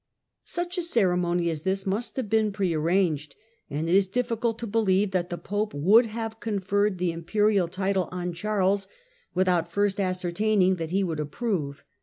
Such a ceremony as this must have been pre arranged, and it is difficult to believe that the Pope would have conferred the Imperial title on Charles without first ascertaining that he would approve.